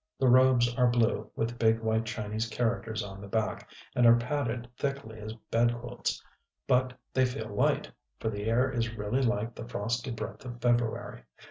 The robes are blue, with big white Chinese characters on the back, and are padded thickly as bedquilts; but they feel light; for the air is really like the frosty breath of February....